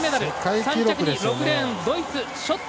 ３着に６レーンドイツ、ショット。